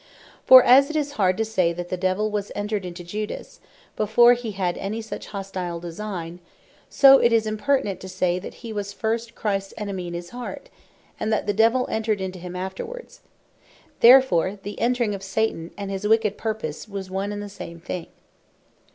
For as it is hard to say, that the Devill was entred into Judas, before he had any such hostile designe; so it is impertinent to say, he was first Christs Enemy in his heart, and that the Devill entred into him afterwards. Therefore the Entring of Satan, and his Wicked Purpose, was one and the same thing.